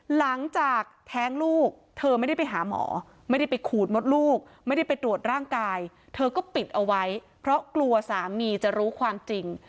หลังจากแท้งลูกเธอไม่ได้ไปหาหมอไม่ได้ไปขูดมดลูกไม่ได้ไปตรวจร่างกายเธอก็ปิดเอาไว้เพราะกลัวสามีจะรู้ความจริง